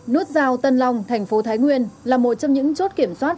nút giao tân long thành phố thái nguyên là một trong những chốt kiểm soát